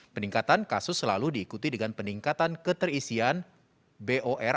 peningkatan kasus selalu diikuti dengan peningkatan keterisian bor